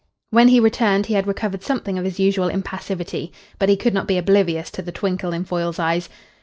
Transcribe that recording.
When he returned he had recovered something of his usual impassivity. But he could not be oblivious to the twinkle in Foyle's eyes.